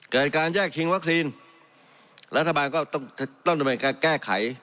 เกิดการแยกชิงวัคซีนรัฐบาลก็ต้องต้องการแก้ไข